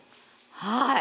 はい